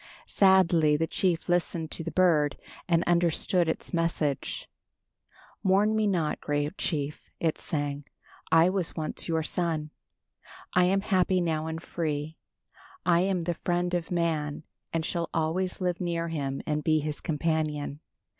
Sadly the chief listened to the bird and understood its message. "Mourn me not, great chief," it sang. "I was once your son. "I am happy now and free. "I am the friend of man and shall always live near him and be his companion.